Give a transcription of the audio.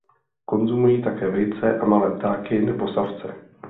Konzumují také vejce a malé ptáky nebo savce.